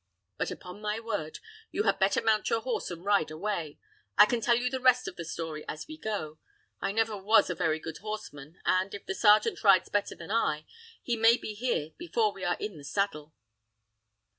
But, upon my word, you had better mount your horse and ride away. I can tell you the rest of the story as we go. I never was a very good horseman, and, if the sergeant rides better than I, he may be here before we are in the saddle."